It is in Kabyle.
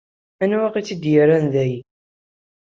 Anwa i yettidiren dayi?